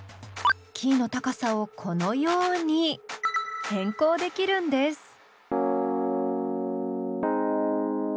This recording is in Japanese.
キーの高さをこのように変更できるんです。